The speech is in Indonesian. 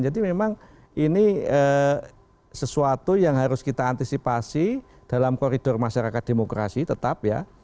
jadi memang ini sesuatu yang harus kita antisipasi dalam koridor masyarakat demokrasi tetap ya